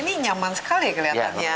ini nyaman sekali kelihatannya